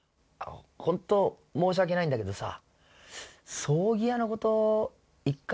ホント申し訳ないんだけどさ。